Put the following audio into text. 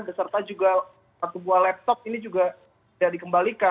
beserta juga satu buah laptop ini juga tidak dikembalikan